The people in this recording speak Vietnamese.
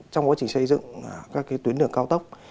trong quá trình xây dựng các tuyến đường cao tốc